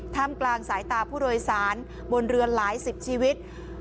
กลางสายตาผู้โดยสารบนเรือหลายสิบชีวิต